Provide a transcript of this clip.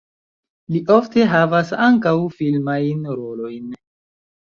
Li ofte havas ankaŭ filmajn rolojn.